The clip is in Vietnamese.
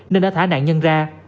nên đã thả nạn nhân ra